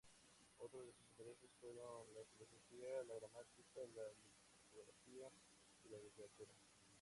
Otros de sus intereses fueron la filosofía, la gramática, la lexicografía y la literatura.